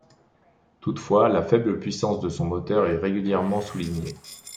Toutefois, la faible puissance de son moteur est régulièrement soulignée.